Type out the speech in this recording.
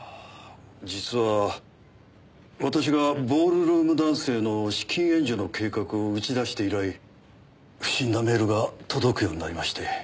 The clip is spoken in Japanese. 実は私がボールルームダンスへの資金援助の計画を打ち出して以来不審なメールが届くようになりまして。